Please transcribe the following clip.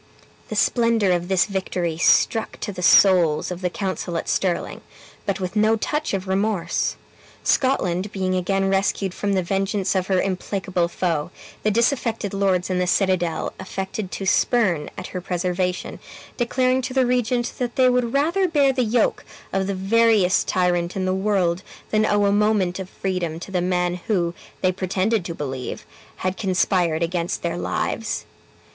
The splendor of this victory struck to the souls of the council at Stirling, but with no touch of remorse. Scotland being again rescued from the vengeance of her implacable foe, the disaffected lords in the citadel affected to spurn at her preservation, declaring to the regent that they would rather bear the yoke of the veriest tyrant in the world than owe a moment of freedom to the man who (they pretended to believe) had conspired against their lives.